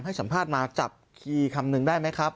ให้สัมภาษณ์มาจับคีย์คำนึงได้ไหมครับ